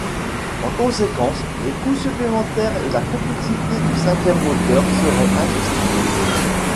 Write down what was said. En conséquence, les coûts supplémentaires et la complexité du cinquième moteur seraient injustifiés.